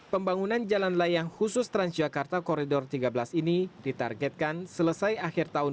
pembangunan jalan layang khusus transjakarta koridor tiga belas ini ditargetkan selesai akhir tahun